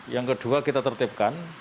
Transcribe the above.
yang kedua kita tertipkan